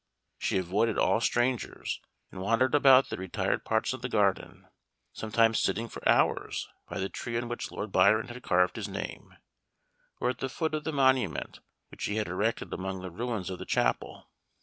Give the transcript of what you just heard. She avoided all strangers, and wandered about the retired parts of the garden; sometimes sitting for hours by the tree on which Lord Byron had carved his name, or at the foot of the monument which he had erected among the ruins of the chapel.